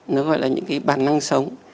nó gọi là những cái bản năng sống